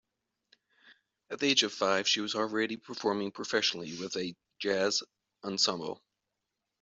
At the age of five, she was already performing professionally with a jazz ensemble.